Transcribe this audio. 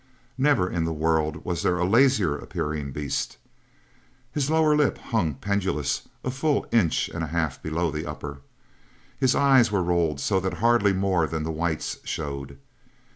Never in the world was there a lazier appearing beast. His lower lip hung pendulous, a full inch and a half below the upper. His eyes were rolled so that hardly more than the whites showed.